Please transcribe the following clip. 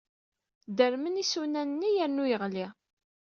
Dermen yisunan-nni yernu yeɣli.